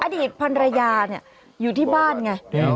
อดีตพันรยาอยู่ที่บ้านไง